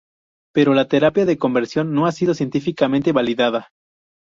Pero la terapia de conversión no ha sido científicamente validada.